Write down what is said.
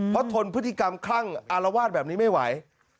เพราะทนพฤติกรรมคลั่งอารวาสแบบนี้ไม่ไหว